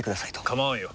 構わんよ。